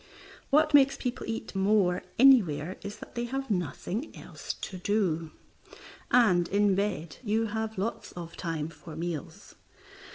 What makes people eat more anywhere is that they have nothing else to do, and in bed you have lots of time for meals.